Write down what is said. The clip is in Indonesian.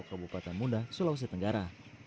kabupaten munda sulawesi tenggara